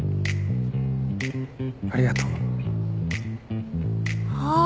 ありがとう。